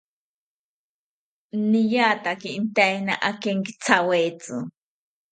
Niataki inteina akenkithawetzi